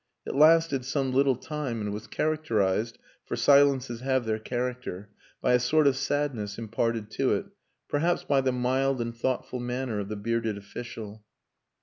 It lasted some little time, and was characterized (for silences have their character) by a sort of sadness imparted to it perhaps by the mild and thoughtful manner of the bearded official.